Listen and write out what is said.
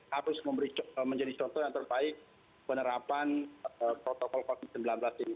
harus menjadi contoh yang terbaik penerapan protokol covid sembilan belas ini